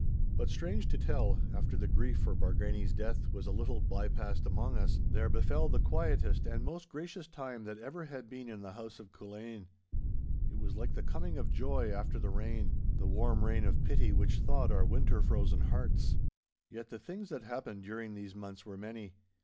But strange to tell, after the grief for Bargany's death was a little by past among us, there befell the quietest and most gracious time that ever had been in the house of Culzean. It was like the coming of joy after the rain—the warm rain of pity which thawed our winter frozen hearts. Yet the things that happened during these months were many.